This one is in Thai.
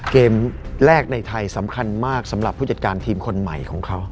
เกมแรกในไทยสำคัญมากสำหรับผู้จัดการทีมคนใหม่ของเขา